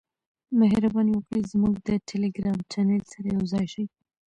مهرباني وکړئ زموږ د ټیلیګرام چینل سره یوځای شئ .